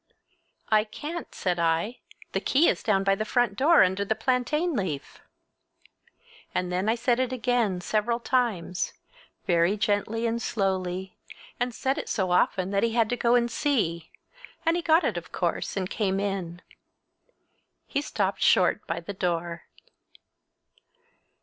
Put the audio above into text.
"I can't," said I. "The key is down by the front door under a plantain leaf!" And then I said it again, several times, very gently and slowly, and said it so often that he had to go and see, and he got it, of course, and came in. He stopped short by the door.